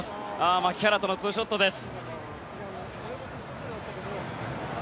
牧原とのツーショットです。